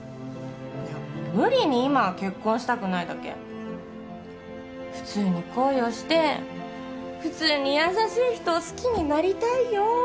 いや無理に今結婚したくないだけ普通に恋をして普通に優しい人を好きになりたいよ